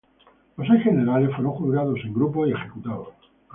Los seis generales fueron juzgados en grupo y ejecutados.